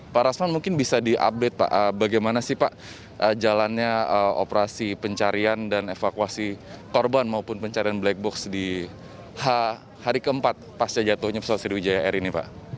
pak rasman mungkin bisa diupdate pak bagaimana sih pak jalannya operasi pencarian dan evakuasi korban maupun pencarian black box di hari keempat pasca jatuhnya pesawat sriwijaya air ini pak